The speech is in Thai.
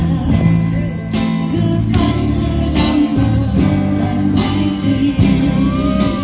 คือฝันเธอดำเบิร์ดให้จริง